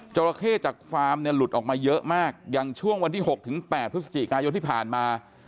ราเข้จากฟาร์มเนี่ยหลุดออกมาเยอะมากอย่างช่วงวันที่๖๘พฤศจิกายนที่ผ่านมา